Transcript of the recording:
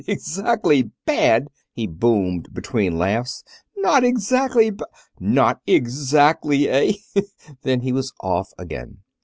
"Not exactly bad!" he boomed between laughs. "Not exactly b Not ex_act_ly, eh?" Then he was off again.